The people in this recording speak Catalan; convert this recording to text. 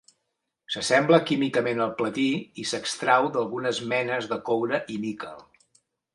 S'assembla químicament al platí i s'extrau d'algunes menes de coure i níquel.